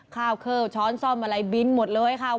ข้าวเคิลช้อนซ่อมอะไรบินหมดเลยค่ะ